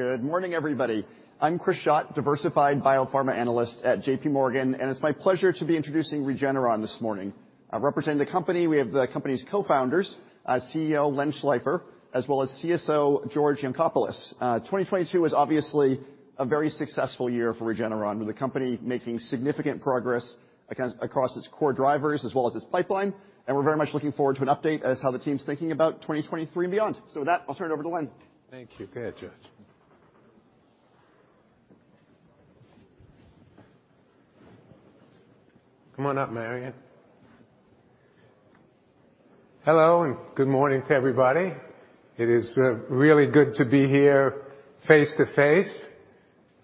Good morning, everybody. I'm Chris Schott, Diversified Biopharma Analyst at JPMorgan, and it's my pleasure to be introducing Regeneron this morning. Representing the company, we have the company's co-founders, CEO Len Schleifer, as well as CSO George Yancopoulos. 2022 was obviously a very successful year for Regeneron, with the company making significant progress across its core drivers as well as its pipeline. We're very much looking forward to an update as how the team's thinking about 2023 and beyond. With that, I'll turn it over to Len. Thank you. Go ahead, George. Come on up, Marion. Hello, good morning to everybody. It is really good to be here face to face.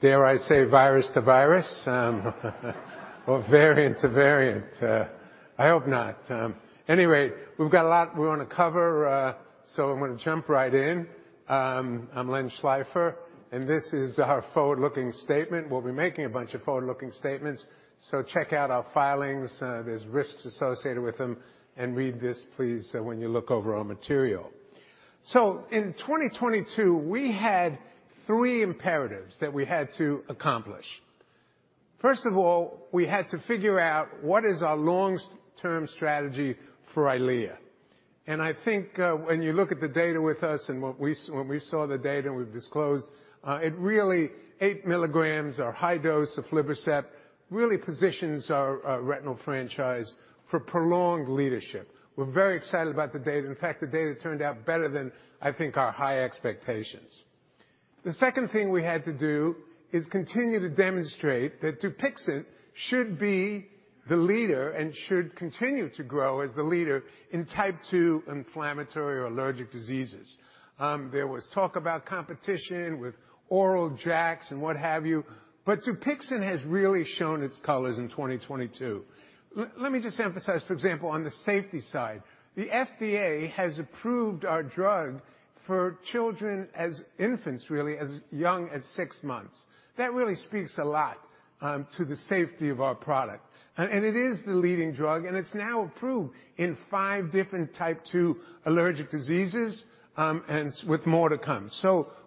Dare I say virus to virus, or variant to variant. I hope not. Anyway, we've got a lot we wanna cover, I'm gonna jump right in. I'm Len Schleifer, this is our forward-looking statement. We'll be making a bunch of forward-looking statements, check out our filings, there's risks associated with them, read this, please, when you look over our material. In 2022, we had three imperatives that we had to accomplish. First of all, we had to figure out what is our long-term strategy for EYLEA. I think when you look at the data with us and when we saw the data we've disclosed, it really 8 mg or high dose of aflibercept really positions our retinal franchise for prolonged leadership. We're very excited about the data. In fact, the data turned out better than I think our high expectations. The second thing we had to do is continue to demonstrate that DUPIXENT should be the leader and should continue to grow as the leader in type 2 inflammatory or allergic diseases. There was talk about competition with oral JAKs and what have you, but DUPIXENT has really shown its colors in 2022. Let me just emphasize, for example, on the safety side. The FDA has approved our drug for children, as infants, really, as young as six months. That really speaks a lot to the safety of our product. It is the leading drug, and it's now approved in five different type 2 allergic diseases, with more to come.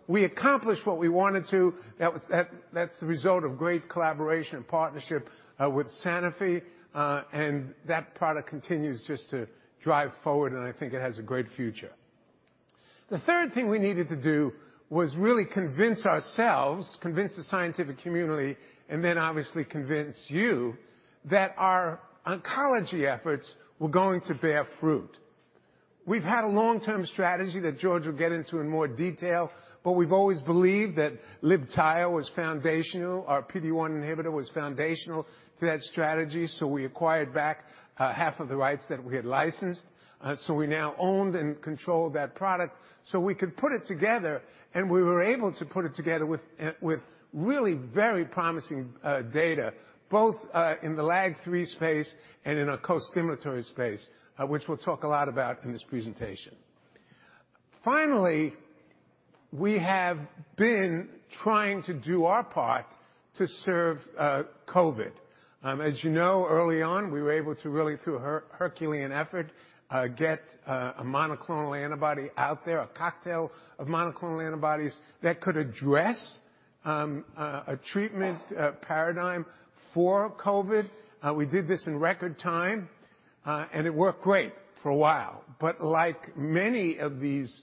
We accomplished what we wanted to. That's the result of great collaboration and partnership with Sanofi, that product continues just to drive forward, and I think it has a great future. The third thing we needed to do was really convince ourselves, convince the scientific community, and then obviously convince you, that our oncology efforts were going to bear fruit. We've had a long-term strategy that George will get into in more detail, but we've always believed that Libtayo was foundational, our PD-1 inhibitor was foundational to that strategy, so we acquired back half of the rights that we had licensed. We now owned and controlled that product. We could put it together, and we were able to put it together with really very promising data, both in the LAG-3 space and in our costimulatory space, which we'll talk a lot about in this presentation. Finally, we have been trying to do our part to serve COVID. As you know, early on, we were able to really, through a Herculean effort, get a monoclonal antibody out there, a cocktail of monoclonal antibodies that could address a treatment paradigm for COVID. We did this in record time, and it worked great for a while. Like many of these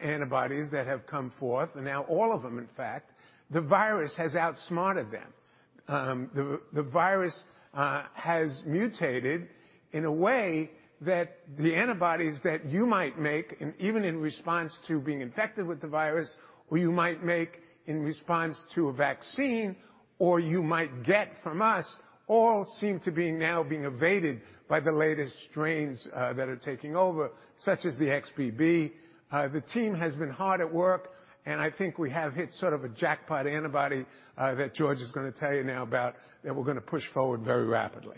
antibodies that have come forth, and now all of them in fact, the virus has outsmarted them. The virus has mutated in a way that the antibodies that you might make, and even in response to being infected with the virus, or you might make in response to a vaccine, or you might get from us, all seem to be now being evaded by the latest strains that are taking over, such as the XBB. The team has been hard at work, and I think we have hit sort of a jackpot antibody that George is gonna tell you now about, that we're gonna push forward very rapidly.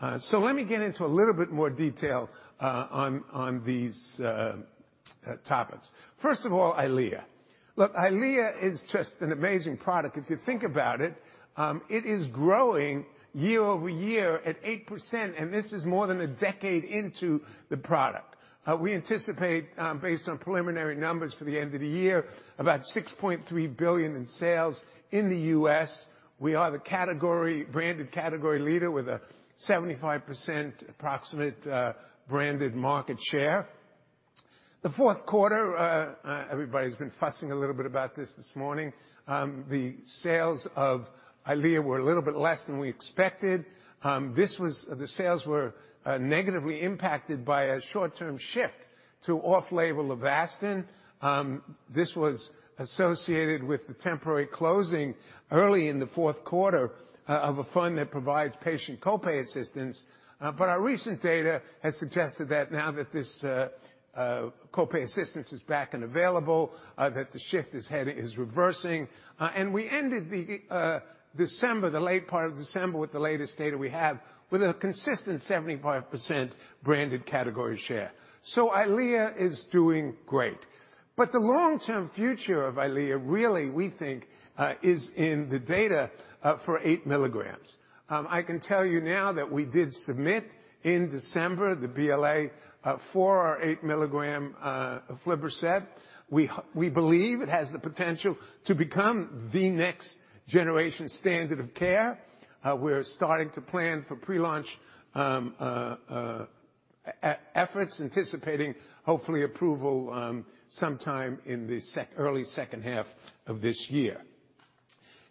Let me get into a little bit more detail on these topics. First of all, EYLEA. Look, EYLEA is just an amazing product. If you think about it is growing year-over-year at 8%, and this is more than a decade into the product. We anticipate, based on preliminary numbers for the end of the year, about $6.3 billion in sales in the U.S. We are the branded category leader with a 75% approximate, branded market share. The fourth quarter, everybody's been fussing a little bit about this this morning, the sales of EYLEA were a little bit less than we expected. The sales were negatively impacted by a short-term shift to off-label Avastin. This was associated with the temporary closing early in the fourth quarter of a fund that provides patient co-pay assistance. Our recent data has suggested that now that this co-pay assistance is back and available, that the shift is reversing. We ended the December, the late part of December with the latest data we have, with a consistent 75% branded category share. EYLEA is doing great. The long-term future of EYLEA really, we think, is in the data for 8 mg. I can tell you now that we did submit in December the BLA for our 8 mg aflibercept. We believe it has the potential to become the next generation standard of care. We're starting to plan for pre-launch efforts anticipating, hopefully approval, sometime in the early second half of this year.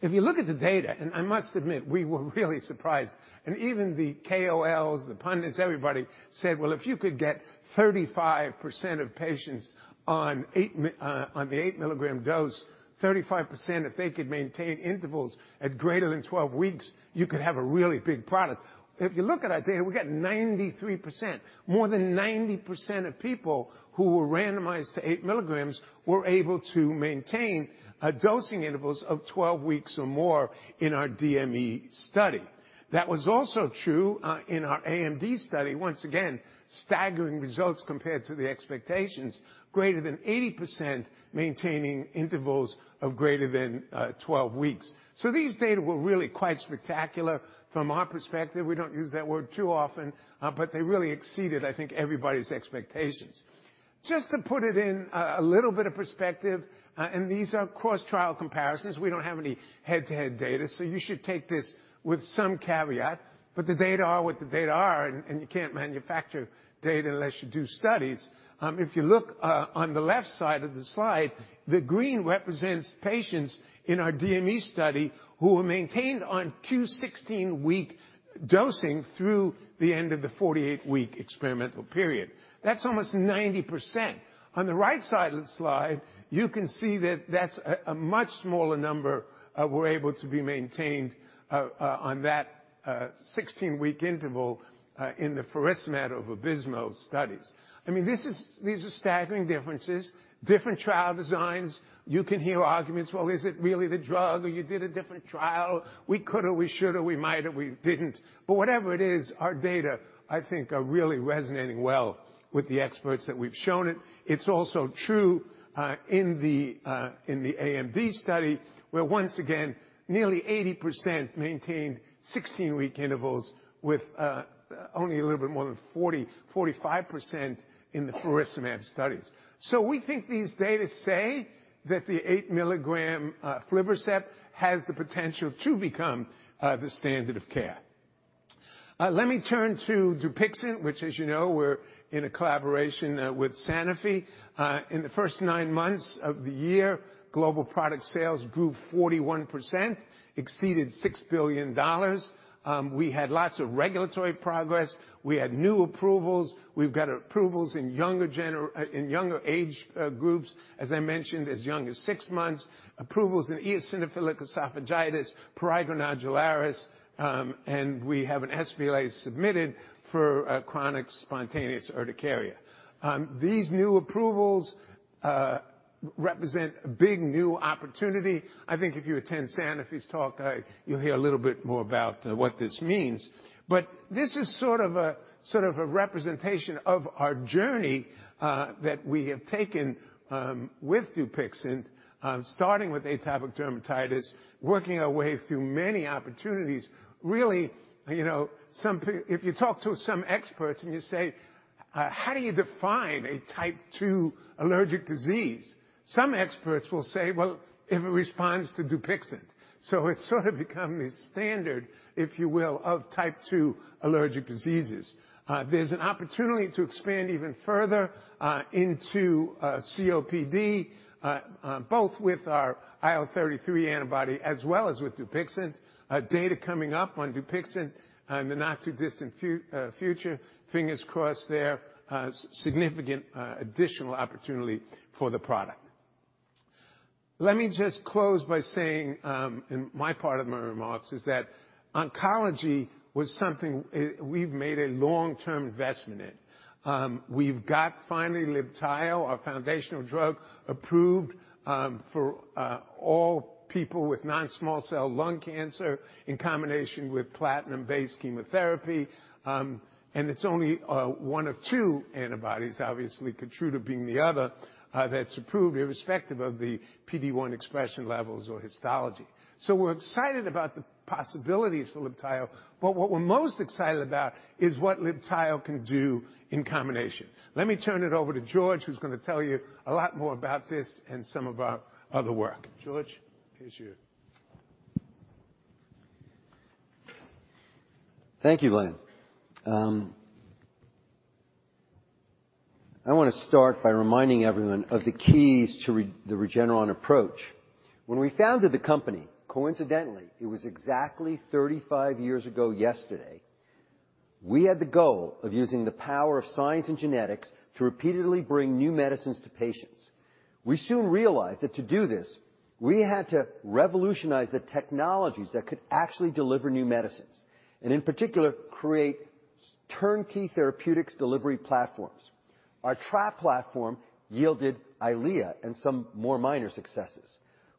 If you look at the data, I must admit, we were really surprised, even the KOLs, the pundits, everybody said, "Well, if you could get 35% of patients on the 8 mg dose, 35%, if they could maintain intervals at greater than 12 weeks, you could have a really big product." If you look at our data, we got 93%. More than 90% of people who were randomized to 8 mg were able to maintain a dosing intervals of 12 weeks or more in our DME study. That was also true in our AMD study, once again, staggering results compared to the expectations, greater than 80% maintaining intervals of greater than 12 weeks. These data were really quite spectacular from our perspective. We don't use that word too often, but they really exceeded, I think, everybody's expectations. Just to put it in a little bit of perspective, these are cross-trial comparisons. We don't have any head-to-head data, you should take this with some caveat, but the data are what the data are, and you can't manufacture data unless you do studies. If you look on the left side of the slide, the green represents patients in our DME study who were maintained on Q 16-week dosing through the end of the 48-week experimental period. That's almost 90%. On the right side of the slide, you can see that that's a much smaller number were able to be maintained on that 16-week interval in the faricimab of Vabysmo studies. I mean, these are staggering differences. Different trial designs. You can hear arguments, "Well, is it really the drug?" Or, "You did a different trial." We could or we should or we might or we didn't. Whatever it is, our data, I think, are really resonating well with the experts that we've shown it. It's also true in the AMD study, where once again, nearly 80% maintained 16-week intervals with only a little bit more than 40%-45% in the faricimab studies. We think these data say that the 8 mg aflibercept has the potential to become the standard of care. Let me turn to DUPIXENT, which, as you know, we're in a collaboration with Sanofi. In the first nine months of the year, global product sales grew 41%, exceeded $6 billion. We had lots of regulatory progress. We had new approvals. We've got approvals in younger age groups, as I mentioned, as young as six months, approvals in eosinophilic esophagitis, prurigo nodularis, and we have an SBLA submitted for chronic spontaneous urticaria. These new approvals represent a big new opportunity. I think if you attend Sanofi's talk, you'll hear a little bit more about what this means. This is sort of a representation of our journey that we have taken with DUPIXENT, starting with atopic dermatitis, working our way through many opportunities. Really, you know, some if you talk to some experts and you say, "How do you define a Type 2 allergic disease?" Some experts will say, "Well, if it responds to DUPIXENT." It's sort of become the standard, if you will, of Type 2 allergic diseases. There's an opportunity to expand even further into COPD, both with our IL-33 antibody as well as with DUPIXENT. Data coming up on DUPIXENT in the not-too-distant future. Fingers crossed there, significant additional opportunity for the product. Let me just close by saying, in my part of my remarks is that oncology was something we've made a long-term investment in. We've got finally Libtayo, our foundational drug, approved for all people with non-small cell lung cancer in combination with platinum-based chemotherapy. It's only one of two antibodies, obviously Keytruda being the other, that's approved irrespective of the PD-1 expression levels or histology. We're excited about the possibilities for Libtayo, but what we're most excited about is what Libtayo can do in combination. Let me turn it over to George, who's gonna tell you a lot more about this and some of our other work. George, here's you. Thank you, Len. I wanna start by reminding everyone of the keys to the Regeneron approach. When we founded the company, coincidentally, it was exactly 35 years ago yesterday, we had the goal of using the power of science and genetics to repeatedly bring new medicines to patients. We soon realized that to do this, we had to revolutionize the technologies that could actually deliver new medicines, in particular, create turnkey therapeutics delivery platforms. Our trap platform yielded EYLEA and some more minor successes.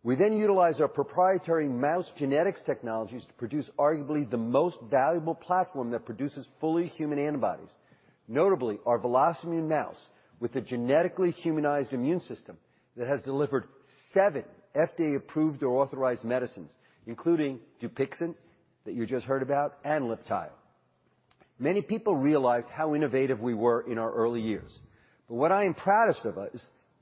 We utilized our proprietary mouse genetics technologies to produce arguably the most valuable platform that produces fully human antibodies. Notably, our VelocImmune mouse with a genetically humanized immune system that has delivered seven FDA-approved or authorized medicines, including DUPIXENT that you just heard about and Libtayo. Many people realized how innovative we were in our early years. What I am proudest of us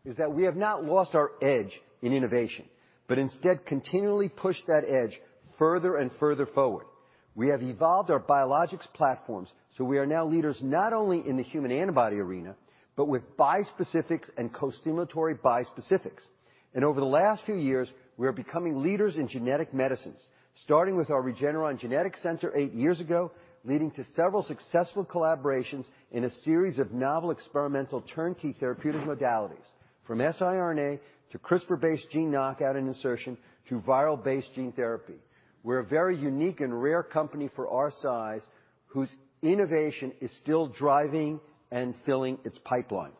is that we have not lost our edge in innovation, but instead continually pushed that edge further and further forward. We have evolved our biologics platforms. We are now leaders not only in the human antibody arena, but with bispecifics and costimulatory bispecifics. Over the last few years, we are becoming leaders in genetic medicines, starting with our Regeneron Genetics Center eight years ago, leading to several successful collaborations in a series of novel experimental turnkey therapeutic modalities from siRNA to CRISPR-based gene knockout and insertion to viral-based gene therapy. We're a very unique and rare company for our size, whose innovation is still driving and filling its pipeline.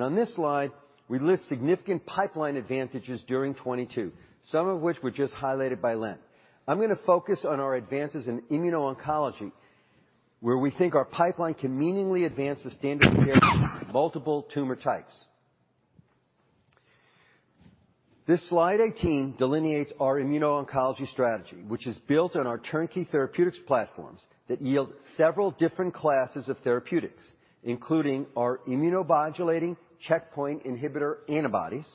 On this slide, we list significant pipeline advantages during 2022, some of which were just highlighted by Len. I'm gonna focus on our advances in immuno-oncology, where we think our pipeline can meaningfully advance the standard of care in multiple tumor types. This slide 18 delineates our immuno-oncology strategy, which is built on our turnkey therapeutics platforms that yield several different classes of therapeutics, including our immunomodulating checkpoint inhibitor antibodies,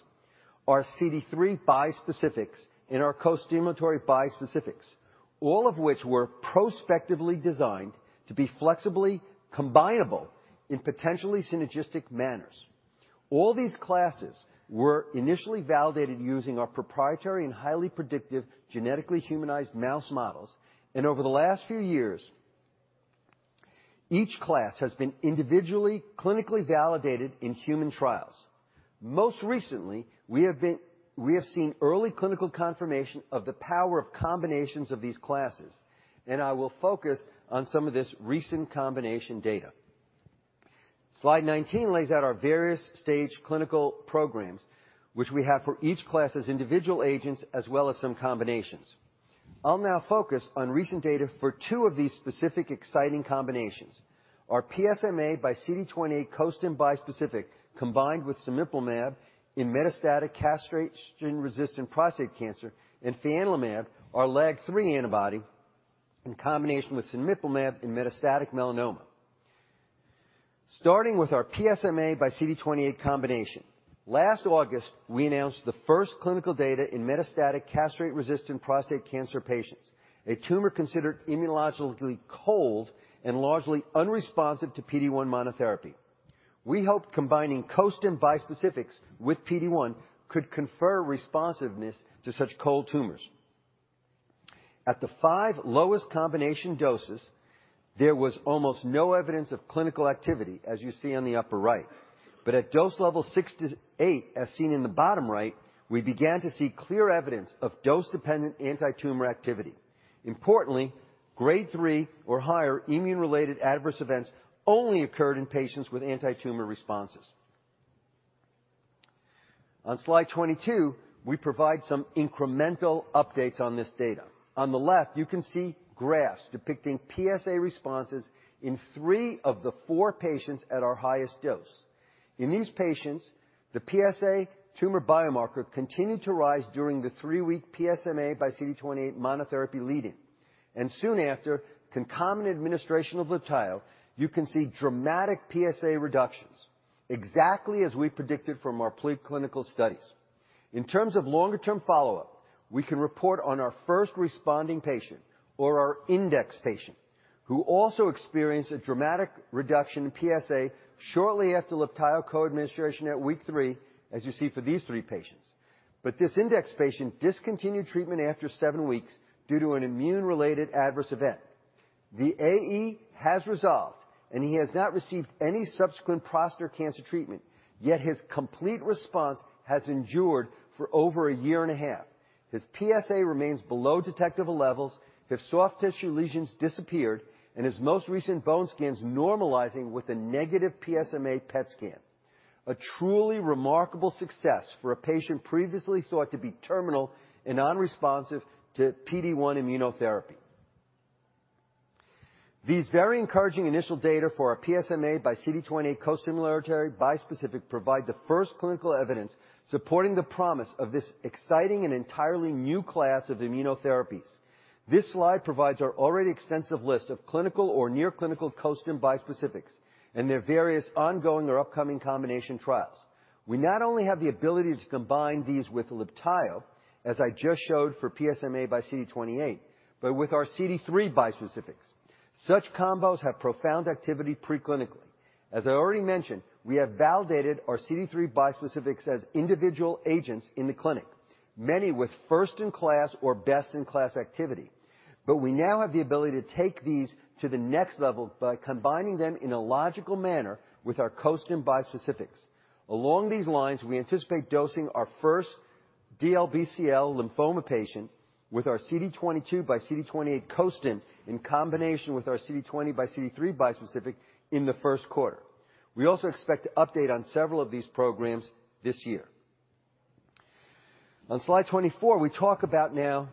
our CD3 bispecifics, and our costimulatory bispecifics, all of which were prospectively designed to be flexibly combinable in potentially synergistic manners. All these classes were initially validated using our proprietary and highly predictive genetically humanized mouse models, and over the last few years, each class has been individually clinically validated in human trials. Most recently, we have seen early clinical confirmation of the power of combinations of these classes, and I will focus on some of this recent combination data. Slide 19 lays out our various stage clinical programs which we have for each class as individual agents as well as some combinations. I'll now focus on recent data for two of these specific exciting combinations. Our PSMA by CD28 costim bispecific, combined with cemiplimab in metastatic castrate-resistant prostate cancer, and fianlimab, our LAG-3 antibody in combination with cemiplimab in metastatic melanoma. Starting with our PSMA by CD28 combination, last August, we announced the first clinical data in metastatic castrate-resistant prostate cancer patients, a tumor considered immunologically cold and largely unresponsive to PD-1 monotherapy. We hope combining costim bispecifics with PD-1 could confer responsiveness to such cold tumors. At the five lowest combination doses, there was almost no evidence of clinical activity, as you see on the upper right. At dose level six to eight, as seen in the bottom right, we began to see clear evidence of dose-dependent antitumor activity. Importantly, grade three or higher immune-related adverse events only occurred in patients with antitumor responses. On slide 22, we provide some incremental updates on this data. On the left, you can see graphs depicting PSA responses in three of the four patients at our highest dose. In these patients, the PSA tumor biomarker continued to rise during the three-week PSMA by CD28 monotherapy leading. Soon after, concomitant administration of Libtayo, you can see dramatic PSA reductions, exactly as we predicted from our preclinical studies. In terms of longer-term follow-up, we can report on our first responding patient or our index patient, who also experienced a dramatic reduction in PSA shortly after Libtayo co-administration at week three, as you see for these three patients. This index patient discontinued treatment after seven weeks due to an immune-related adverse event. The AE has resolved, and he has not received any subsequent prostate cancer treatment, yet his complete response has endured for over 1.5 years. His PSA remains below detectable levels. His soft tissue lesions disappeared, and his most recent bone scan's normalizing with a negative PSMA PET scan. A truly remarkable success for a patient previously thought to be terminal and non-responsive to PD-1 immunotherapy. These very encouraging initial data for our PSMA by CD28 costimulatory bispecific provide the first clinical evidence supporting the promise of this exciting and entirely new class of immunotherapies. This slide provides our already extensive list of clinical or near clinical costim bispecifics and their various ongoing or upcoming combination trials. We not only have the ability to combine these with Libtayo, as I just showed for PSMA by CD28, but with our CD3 bispecifics. Such combos have profound activity preclinically. As I already mentioned, we have validated our CD3 bispecifics as individual agents in the clinic, many with first-in-class or best-in-class activity. We now have the ability to take these to the next level by combining them in a logical manner with our costim bispecifics. Along these lines, we anticipate dosing our first DLBCL lymphoma patient with our CD22 by CD28 costim in combination with our CD20 by CD3 bispecific in the first quarter. We also expect to update on several of these programs this year. On slide 24, we talk about now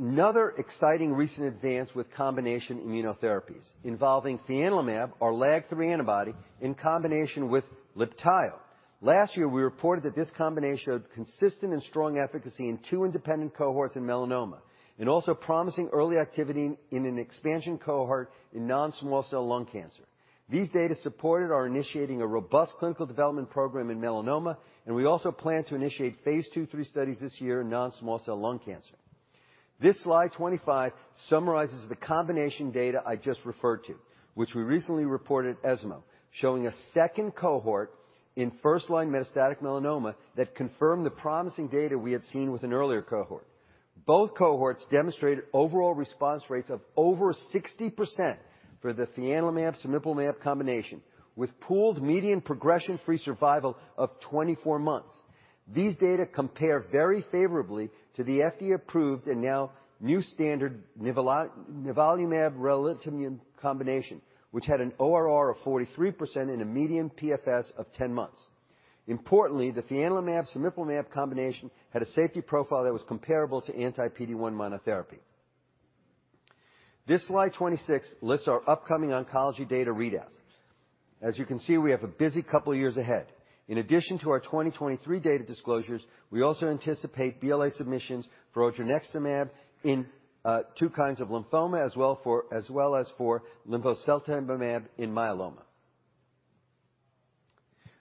another exciting recent advance with combination immunotherapies involving fianlimab, our LAG-3 antibody, in combination with Libtayo. Last year, we reported that this combination showed consistent and strong efficacy in two independent cohorts in melanoma, and also promising early activity in an expansion cohort in non-small cell lung cancer. These data supported our initiating a robust clinical development program in melanoma, and we also plan to initiate phase II-III studies this year in non-small cell lung cancer. This slide 25 summarizes the combination data I just referred to, which we recently reported at ESMO, showing a second cohort in first-line metastatic melanoma that confirmed the promising data we had seen with an earlier cohort. Both cohorts demonstrated overall response rates of over 60% for the fianlimab cemiplimab combination, with pooled median progression-free survival of 24 months. These data compare very favorably to the FDA-approved and now new standard nivolumab relatlimab combination, which had an ORR of 43% and a median PFS of 10 months. Importantly, the fianlimab cemiplimab combination had a safety profile that was comparable to anti-PD-1 monotherapy. This slide 26 lists our upcoming oncology data readouts. As you can see, we have a busy couple of years ahead. In addition to our 2023 data disclosures, we also anticipate BLA submissions for odronextamab in two kinds of lymphoma as well as for linvoseltamab in myeloma.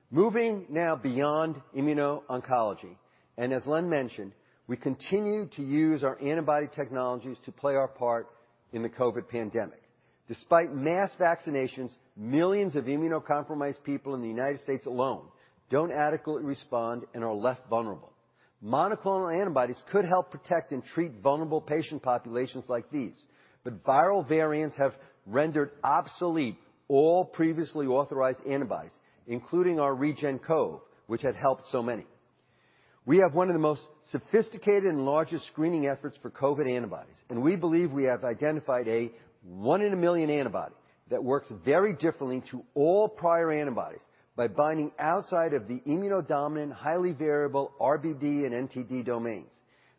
Moving now beyond immuno-oncology, as Len mentioned, we continue to use our antibody technologies to play our part in the COVID pandemic. Despite mass vaccinations, millions of immunocompromised people in the United States alone don't adequately respond and are left vulnerable. Monoclonal antibodies could help protect and treat vulnerable patient populations like these, but viral variants have rendered obsolete all previously authorized antibodies, including our REGEN-COV, which had helped so many. We have one of the most sophisticated and largest screening efforts for COVID antibodies, and we believe we have identified a one in a million antibody that works very differently to all prior antibodies by binding outside of the immunodominant, highly variable RBD and NTD domains.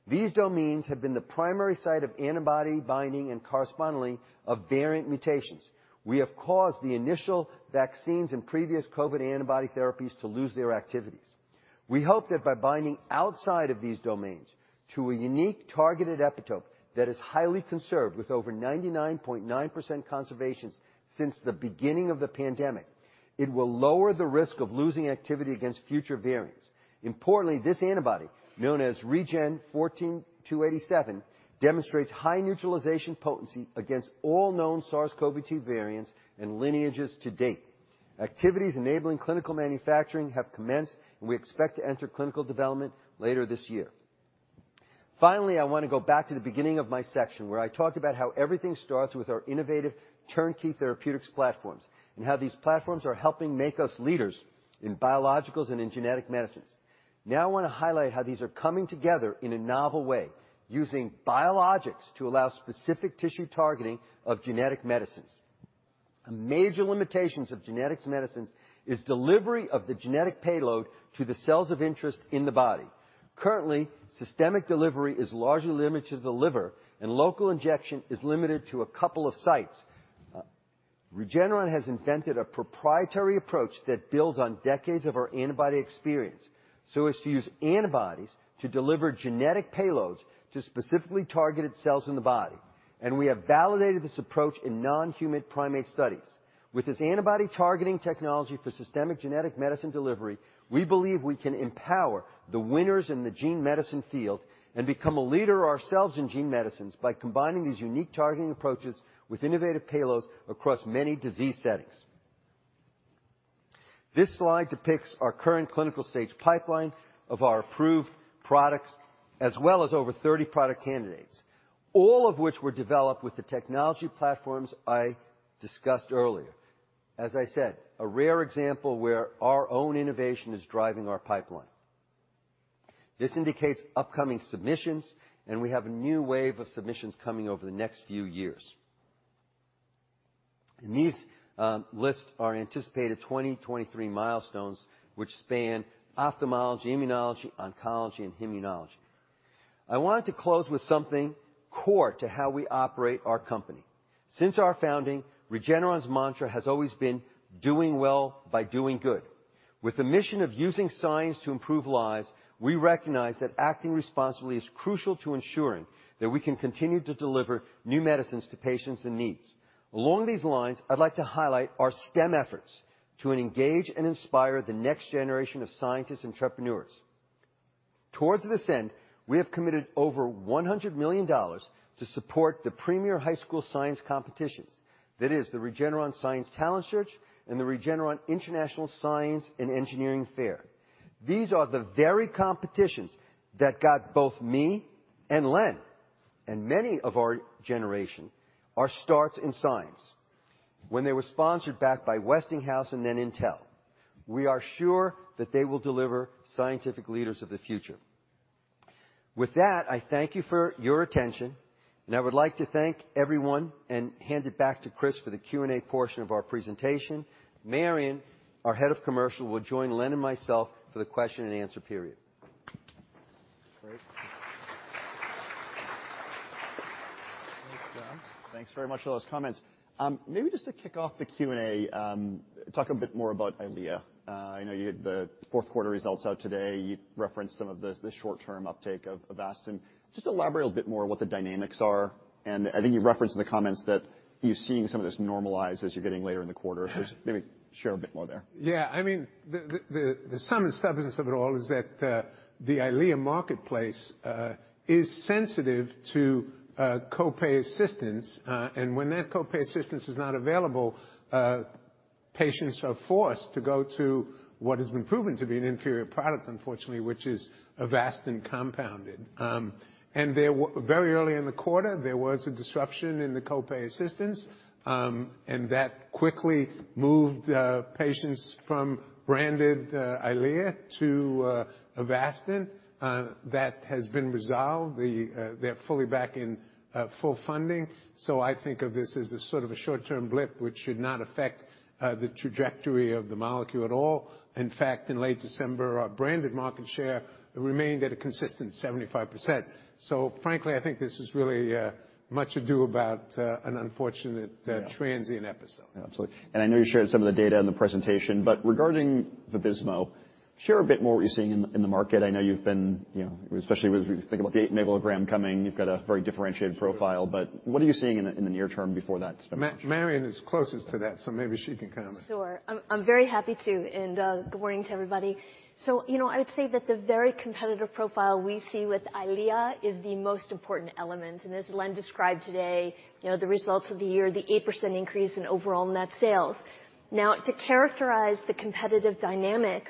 These domains have been the primary site of antibody binding and correspondingly of variant mutations we have caused the initial vaccines and previous COVID antibody therapies to lose their activities. We hope that by binding outside of these domains to a unique targeted epitope that is highly conserved with over 99.9% conservations since the beginning of the pandemic, it will lower the risk of losing activity against future variants. Importantly, this antibody, known as REGEN-14287, demonstrates high neutralization potency against all known SARS-CoV-2 variants and lineages to date. Activities enabling clinical manufacturing have commenced, and we expect to enter clinical development later this year. Finally, I wanna go back to the beginning of my section where I talked about how everything starts with our innovative turnkey therapeutics platforms and how these platforms are helping make us leaders in biologicals and in genetic medicines. Now, I wanna highlight how these are coming together in a novel way, using biologics to allow specific tissue targeting of genetic medicines. A major limitations of genetic medicines is delivery of the genetic payload to the cells of interest in the body. Currently, systemic delivery is largely limited to the liver, and local injection is limited to a couple of sites. Regeneron has invented a proprietary approach that builds on decades of our antibody experience, so as to use antibodies to deliver genetic payloads to specifically targeted cells in the body, and we have validated this approach in non-human primate studies. With this antibody targeting technology for systemic genetic medicine delivery, we believe we can empower the winners in the gene medicine field and become a leader ourselves in gene medicines by combining these unique targeting approaches with innovative payloads across many disease settings. This slide depicts our current clinical stage pipeline of our approved products as well as over 30 product candidates, all of which were developed with the technology platforms I discussed earlier. As I said, a rare example where our own innovation is driving our pipeline. This indicates upcoming submissions. We have a new wave of submissions coming over the next few years. These lists are anticipated 2023 milestones which span ophthalmology, immunology, oncology, and hematology. I wanted to close with something core to how we operate our company. Since our founding, Regeneron's mantra has always been doing well by doing good. With the mission of using science to improve lives, we recognize that acting responsibly is crucial to ensuring that we can continue to deliver new medicines to patients in needs. Along these lines, I'd like to highlight our STEM efforts to engage and inspire the next generation of scientists and entrepreneurs. Towards this end, we have committed over $100 million to support the premier high school science competitions. That is the Regeneron Science Talent Search and the Regeneron International Science and Engineering Fair. These are the very competitions that got both me and Len and many of our generation our starts in science when they were sponsored back by Westinghouse and then Intel. We are sure that they will deliver scientific leaders of the future. With that, I thank you for your attention, and I would like to thank everyone and hand it back to Chris for the Q&A portion of our presentation. Marion, our Head of Commercial, will join Len and myself for the question and answer period. Great. Thanks very much for those comments. Maybe just to kick off the Q&A, talk a bit more about EYLEA. I know you had the fourth quarter results out today. You referenced some of the short-term uptake of Avastin. Just elaborate a little bit more what the dynamics are. I think you referenced in the comments that you're seeing some of this normalize as you're getting later in the quarter. Yeah. Just maybe share a bit more there. Yeah. I mean, the sum and substance of it all is that the EYLEA marketplace is sensitive to copay assistance. When that copay assistance is not available, patients are forced to go to what has been proven to be an inferior product, unfortunately, which is Avastin compounded. And very early in the quarter, there was a disruption in the copay assistance, and that quickly moved patients from branded EYLEA to Avastin. That has been resolved. They're fully back in full funding. I think of this as a sort of a short-term blip, which should not affect the trajectory of the molecule at all. In fact, in late December, our branded market share remained at a consistent 75%. Frankly, I think this is really, much ado about, an unfortunate- Yeah. transient episode. Yeah, absolutely. I know you shared some of the data in the presentation, but regarding Vabysmo, share a bit more what you're seeing in the market. I know you've been, you know, especially with think about the 8 mg coming, you've got a very differentiated profile. What are you seeing in the near term before that's been launched? Marion is closest to that, so maybe she can comment. Sure. I'm very happy to and good morning to everybody. You know, I would say that the very competitive profile we see with EYLEA is the most important element. As Len described today, you know, the results of the year, the 8% increase in overall net sales. Now, to characterize the competitive dynamic,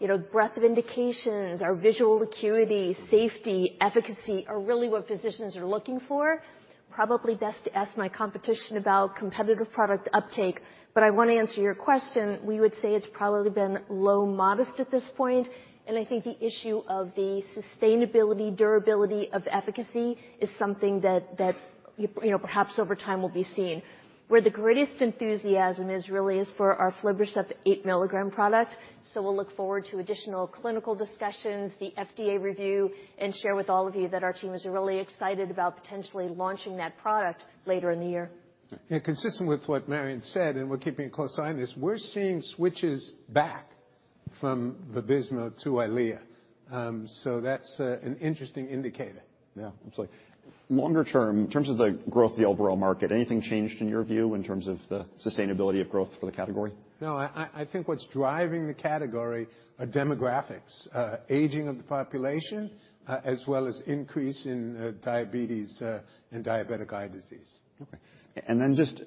you know, breadth of indications, our visual acuity, safety, efficacy are really what physicians are looking for. Probably best to ask my competition about competitive product uptake, but I wanna answer your question. We would say it's probably been low modest at this point, and I think the issue of the sustainability, durability of efficacy is something that, you know, perhaps over time will be seen. Where the greatest enthusiasm is really is for our aflibercept 8 mg product. We'll look forward to additional clinical discussions, the FDA review, and share with all of you that our team is really excited about potentially launching that product later in the year. Yeah. Yeah, consistent with what Marion said, we're keeping a close eye on this, we're seeing switches back from Vabysmo to EYLEA. That's an interesting indicator. Yeah, absolutely. Longer term, in terms of the growth of the overall market, anything changed in your view in terms of the sustainability of growth for the category? No, I think what's driving the category are demographics. Aging of the population, as well as increase in diabetes, and diabetic eye disease. Okay. Just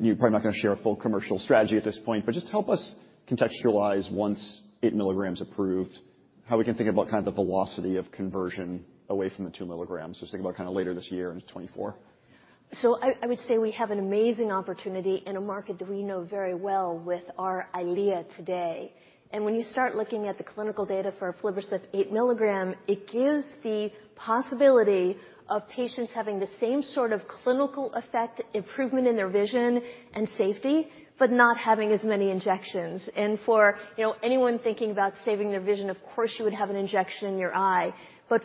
you're probably not gonna share a full commercial strategy at this point, but just help us contextualize once 8 mg approved, how we can think about kinda later this year into 2 mg. Just think about kinda later this year into 2024. I would say we have an amazing opportunity in a market that we know very well with our EYLEA today. When you start looking at the clinical data for aflibercept 8 mg, it gives the possibility of patients having the same sort of clinical effect, improvement in their vision and safety, but not having as many injections. For, you know, anyone thinking about saving their vision, of course, you would have an injection in your eye.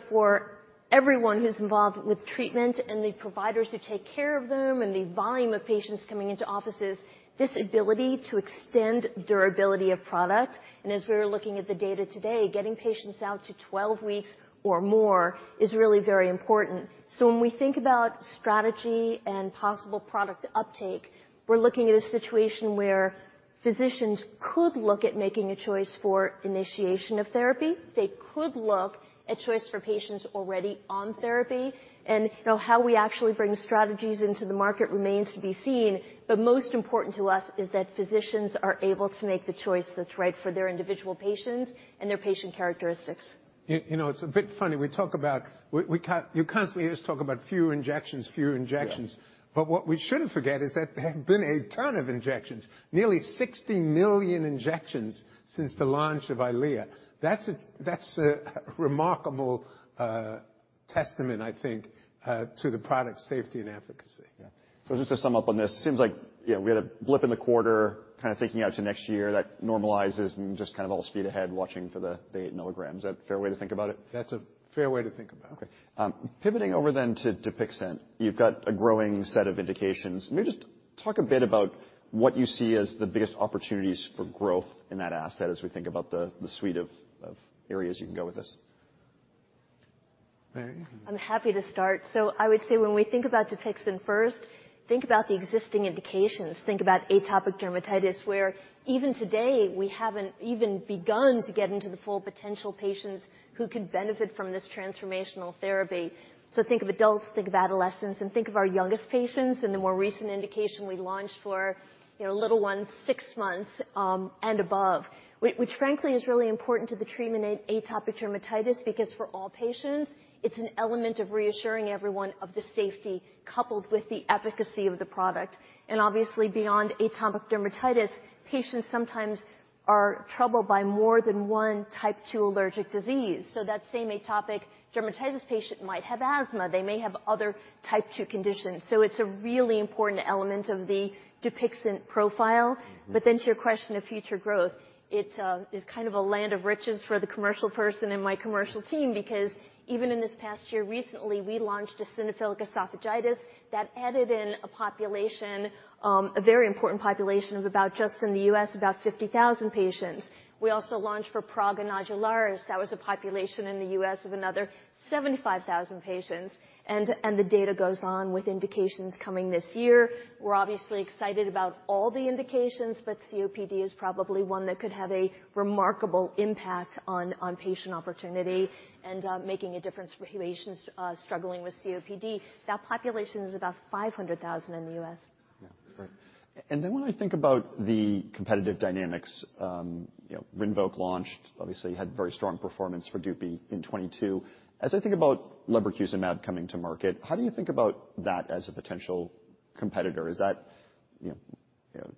For everyone who's involved with treatment and the providers who take care of them and the volume of patients coming into offices, this ability to extend durability of product, and as we're looking at the data today, getting patients out to 12 weeks or more is really very important. When we think about strategy and possible product uptake, we're looking at a situation where physicians could look at making a choice for initiation of therapy. They could look at choice for patients already on therapy. You know, how we actually bring strategies into the market remains to be seen, but most important to us is that physicians are able to make the choice that's right for their individual patients and their patient characteristics. You know, it's a bit funny. You constantly just talk about fewer injections. Yeah. What we shouldn't forget is that there have been a ton of injections, nearly 60 million injections since the launch of EYLEA. That's a, that's a remarkable testament, I think, to the product's safety and efficacy. Yeah. Just to sum up on this, seems like, you know, we had a blip in the quarter, kind of thinking out to next year that normalizes and just kind of all speed ahead watching for the 8 mg. Is that a fair way to think about it? That's a fair way to think about it. Pivoting over then to DUPIXENT. You've got a growing set of indications. Maybe just talk a bit about what you see as the biggest opportunities for growth in that asset as we think about the suite of areas you can go with this? I'm happy to start. I would say when we think about DUPIXENT first, think about the existing indications. Think about atopic dermatitis, where even today we haven't even begun to get into the full potential patients who could benefit from this transformational therapy. Think of adults, think of adolescents, and think of our youngest patients in the more recent indication we launched for, you know, little ones six months and above. Which frankly is really important to the treatment in atopic dermatitis because for all patients it's an element of reassuring everyone of the safety coupled with the efficacy of the product. Obviously, beyond atopic dermatitis, patients sometimes are troubled by more than one type two allergic disease. That same atopic dermatitis patient might have asthma, they may have other type two conditions. It's a really important element of the DUPIXENT profile. Mm-hmm. To your question of future growth, it's is kind of a land of riches for the commercial person in my commercial team, because even in this past year, recently we launched eosinophilic esophagitis that added in a population, a very important population of about just in the U.S., about 50,000 patients. We also launched for prurigo nodularis. That was a population in the U.S. of another 75,000 patients. The data goes on with indications coming this year. We're obviously excited about all the indications, COPD is probably one that could have a remarkable impact on patient opportunity and making a difference for patients struggling with COPD. That population is about 500,000 in the U.S. Yeah. Great. When I think about the competitive dynamics, you know, RINVOQ launched, obviously you had very strong performance for DUPI in 2022. As I think about lebrikizumab coming to market, how do you think about that as a potential competitor? Is that, you know,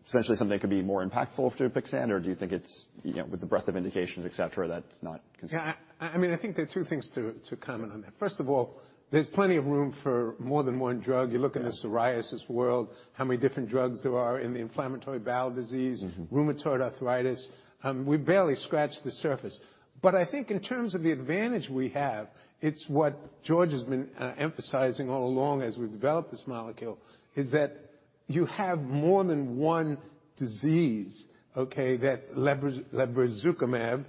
essentially something that could be more impactful for DUPIXENT? Or do you think it's, you know, with the breadth of indications, et cetera, that's not conceivable? Yeah. I mean, I think there are two things to comment on that. First of all, there's plenty of room for more than one drug. Yeah. You look in the psoriasis world, how many different drugs there are in the inflammatory bowel disease- Mm-hmm... rheumatoid arthritis, we barely scratch the surface. I think in terms of the advantage we have, it's what George has been emphasizing all along as we've developed this molecule, is that you have more than one disease, okay? That lebrikizumab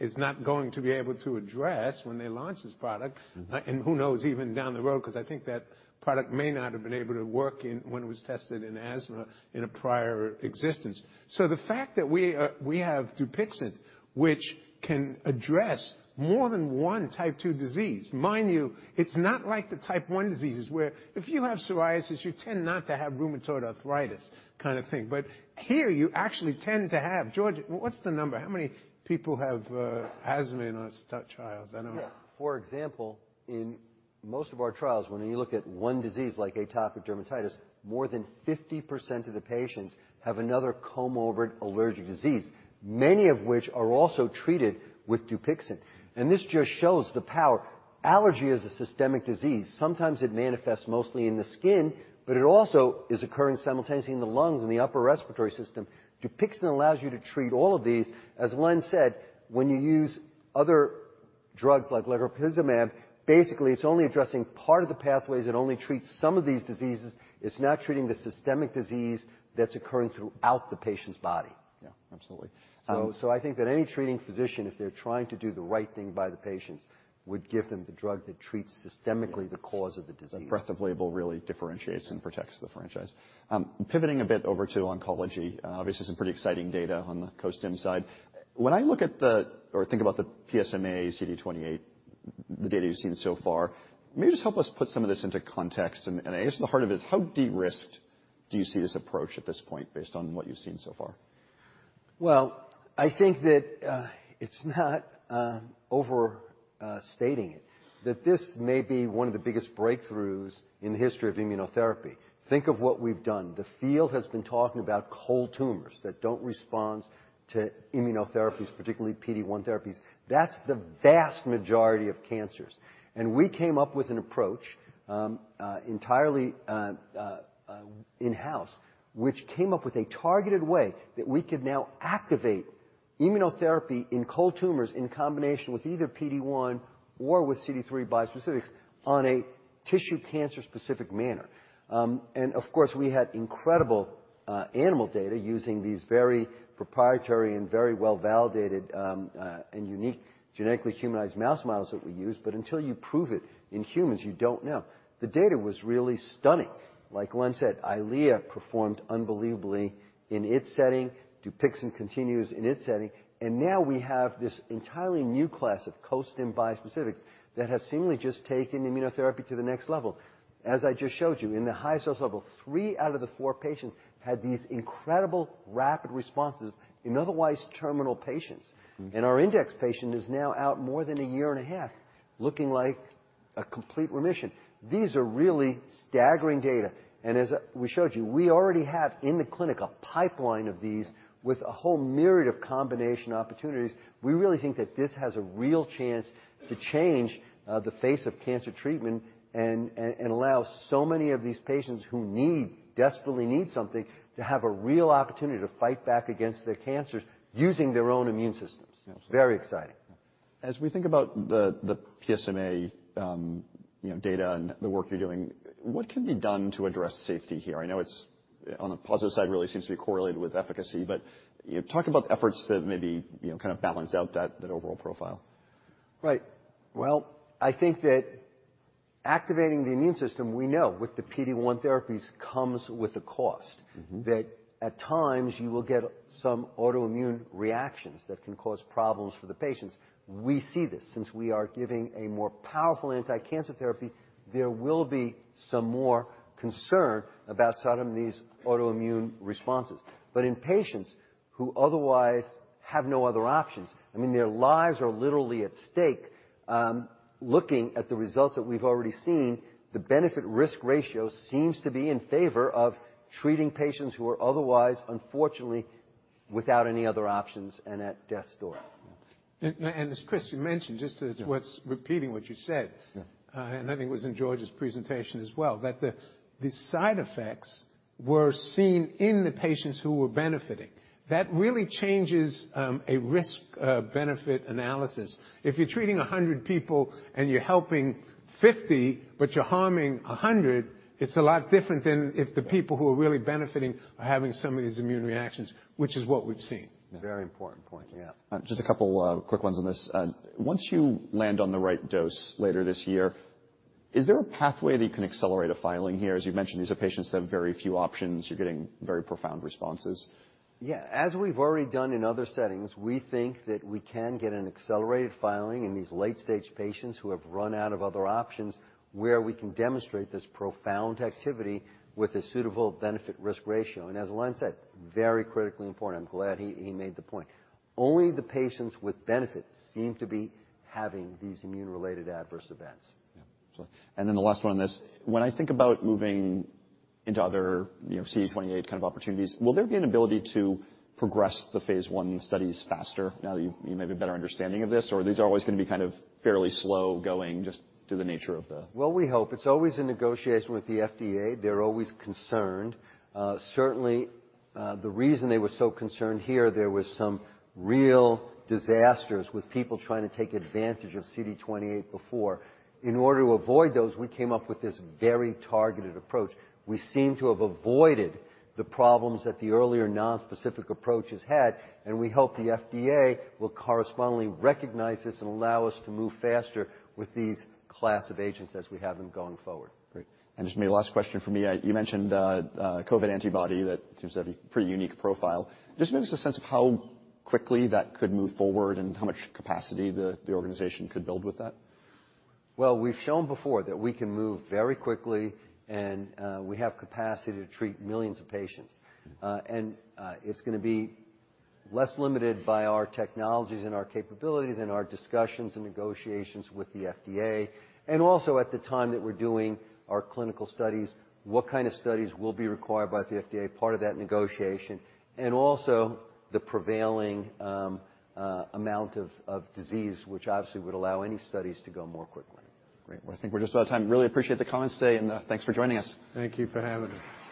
is not going to be able to address when they launch this product. Mm-hmm. Who knows, even down the road, 'cause I think that product may not have been able to work when it was tested in asthma in a prior existence. The fact that we have DUPIXENT, which can address more than one type 2 disease. Mind you, it's not like the type 1 diseases, where if you have psoriasis, you tend not to have rheumatoid arthritis kind of thing. Here you actually tend to have... George, what's the number? How many people have asthma in our trials? I know- Yeah. For example, in most of our trials, when you look at one disease like atopic dermatitis, more than 50% of the patients have another comorbid allergic disease, many of which are also treated with DUPIXENT. This just shows the power. Allergy is a systemic disease. Sometimes it manifests mostly in the skin, but it also is occurring simultaneously in the lungs and the upper respiratory system. DUPIXENT allows you to treat all of these. As Len said, when you use other drugs like lebrikizumab, basically it's only addressing part of the pathways that only treat some of these diseases. It's not treating the systemic disease that's occurring throughout the patient's body. Yeah. Absolutely. I think that any treating physician, if they're trying to do the right thing by the patients, would give them the drug that treats systemically. Yeah the cause of the disease. That breadth of label really differentiates and protects the franchise. Pivoting a bit over to oncology, obviously some pretty exciting data on the costim side. When I think about the PSMA CD28, the data you've seen so far, maybe just help us put some of this into context. I guess at the heart of it is, how de-risked do you see this approach at this point based on what you've seen so far? Well, I think that it's not overstating it, that this may be one of the biggest breakthroughs in the history of immunotherapy. Think of what we've done. The field has been talking about cold tumors that don't respond to immunotherapies, particularly PD-1 therapies. That's the vast majority of cancers. We came up with an approach entirely in-house, which came up with a targeted way that we could now activate immunotherapy in cold tumors in combination with either PD-1 or with CD3 bispecifics on a tissue cancer-specific manner. Of course, we had incredible animal data using these very proprietary and very well-validated and unique genetically humanized mouse models that we use. Until you prove it in humans, you don't know. The data was really stunning. Like Len said, EYLEA performed unbelievably in its setting. DUPIXENT continues in its setting. Now we have this entirely new class of costim bispecifics that have seemingly just taken immunotherapy to the next level. As I just showed you, in the highest dose level, three out of the four patients had these incredible rapid responses in otherwise terminal patients. Mm-hmm. Our index patient is now out more than a year and a half looking like a complete remission. These are really staggering data. As we showed you, we already have in the clinic a pipeline of these with a whole myriad of combination opportunities. We really think that this has a real chance to change the face of cancer treatment and allow so many of these patients who need, desperately need something, to have a real opportunity to fight back against their cancers using their own immune systems. Absolutely. Very exciting. We think about the PSMA, You know, data and the work you're doing, what can be done to address safety here? I know it's, on the positive side, really seems to be correlated with efficacy, but, you talk about the efforts that maybe, you know, kind of balance out that overall profile. Right. Well, I think that activating the immune system, we know with the PD-1 therapies comes with a cost. Mm-hmm. That at times you will get some autoimmune reactions that can cause problems for the patients. We see this. Since we are giving a more powerful anti-cancer therapy, there will be some more concern about some of these autoimmune responses. In patients who otherwise have no other options, I mean their lives are literally at stake. Looking at the results that we've already seen, the benefit risk ratio seems to be in favor of treating patients who are otherwise unfortunately without any other options and at death's door. Yeah. As Chris, you mentioned. Yeah. what's repeating what you said. Yeah. I think it was in George's presentation as well, that the side effects were seen in the patients who were benefiting. That really changes a risk benefit analysis. If you're treating 100 people and you're helping 50, but you're harming 100, it's a lot different than if the people who are really benefiting are having some of these immune reactions, which is what we've seen. Very important point. Yeah. Just a couple, quick ones on this. Once you land on the right dose later this year, is there a pathway that you can accelerate a filing here? As you've mentioned, these are patients that have very few options. You're getting very profound responses. Yeah. As we've already done in other settings, we think that we can get an accelerated filing in these late stage patients who have run out of other options where we can demonstrate this profound activity with a suitable benefit risk ratio. As Len said, very critically important. I'm glad he made the point. Only the patients with benefits seem to be having these immune-related adverse events. Yeah. The last one on this. When I think about moving into other, you know, CD28 kind of opportunities, will there be an ability to progress the phase I studies faster now that you may have a better understanding of this, or these are always gonna be kind of fairly slow going just to the nature of? Well, we hope it's always in negotiation with the FDA. They're always concerned. Certainly, the reason they were so concerned here, there was some real disasters with people trying to take advantage of CD28 before. In order to avoid those, we came up with this very targeted approach. We seem to have avoided the problems that the earlier non-specific approaches had, and we hope the FDA will correspondingly recognize this and allow us to move faster with these class of agents as we have them going forward. Great. Just maybe last question from me. You mentioned COVID antibody that seems to have a pretty unique profile. Just give us a sense of how quickly that could move forward and how much capacity the organization could build with that. Well, we've shown before that we can move very quickly and we have capacity to treat millions of patients. It's gonna be less limited by our technologies and our capability than our discussions and negotiations with the FDA. Also at the time that we're doing our clinical studies, what kind of studies will be required by the FDA, part of that negotiation, and also the prevailing amount of disease, which obviously would allow any studies to go more quickly. Great. Well, I think we're just about time. Really appreciate the comments today and thanks for joining us. Thank you for having us.